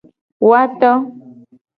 Woato.